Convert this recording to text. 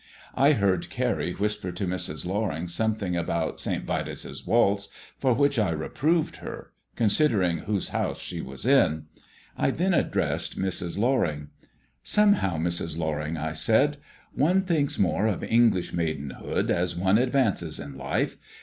I heard Carrie whisper to Mrs. Loring something about "St. Vitus's Waltz," for which I reproved her, considering whose house she was in. I then addressed Mrs. Loring. "Somehow, Mrs. Loring," I said, "one thinks more of English maidenhood as one advances in life.